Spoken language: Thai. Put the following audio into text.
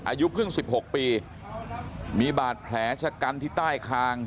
อายุเพิ่ง๑๖ปีมีบาดแผลชะกันที่ใต้คาง